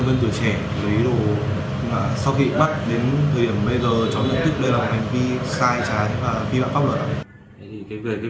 vân từ trẻ với đồ so kỵ bắt đến thời điểm bây giờ cháu nhận thức đây là hành vi sai trái và phi bản pháp luật